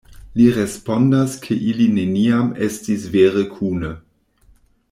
Li respondas ke ili neniam estis vere kune.